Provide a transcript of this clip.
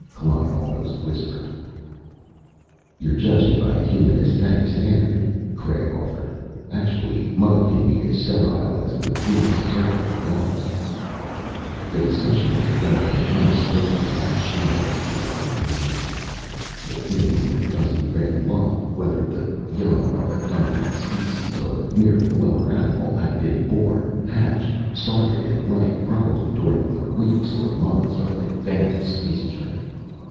Klein almost whispered. "You're judging by a human esthetic standard," Craig offered. "Actually, mud can be as sterile as the cleanest surgical gauze." The discussion was developing unspoken and shadowy ramifications. The thing in the dusty red lump whether the young of a dominant species, or merely a lower animal had been born, hatched, started in life probably during the weeks or months of a vast space journey.